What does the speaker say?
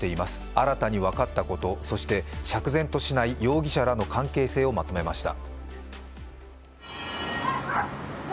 新たに分かったこと、そして釈然としない容疑者らの関係性をまとめました。